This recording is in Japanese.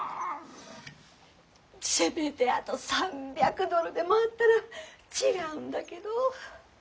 せめてあと３００ドルでもあったら違うんだけど。